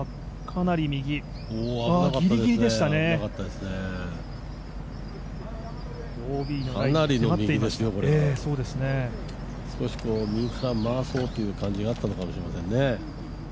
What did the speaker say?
かなり右ですよ、これは少し右から回そうという感じがあったのかもしれませんね。